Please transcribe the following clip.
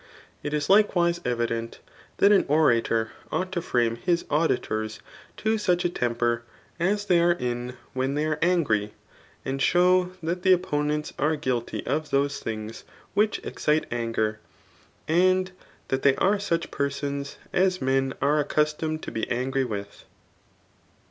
It is likewise evident that an orator ought to fi»me his auditors to such a temper as they are in wfaes they are a^gry, and show that the of^xraents are.guilty <tf those things which excite anger» and that they are sudi peisons.as men are accustomed to be angry \rith.